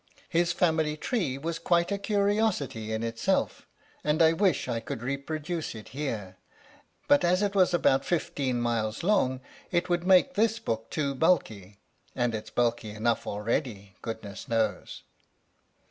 His Family Tree was quite a curiosity in itself, and I wish I could reproduce it here, but as it was about fifteen miles long it would make this book too bulky, and it 's bulky enough already, goodness knows.